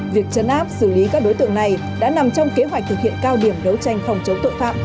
việc chấn áp xử lý các đối tượng này đã nằm trong kế hoạch thực hiện cao điểm đấu tranh phòng chống tội phạm